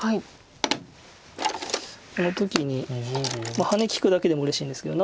この時にハネ利くだけでもうれしいんですけど